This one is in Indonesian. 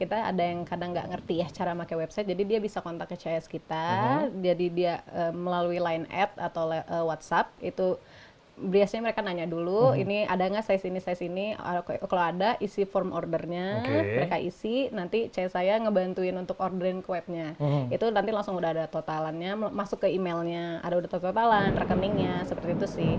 terting sus memiliki dua puluh satu karyawan yang terdiri dari lima belas orang produksi dan sisanya bekerja di jalan terusan cisokan kota bandung jawa barat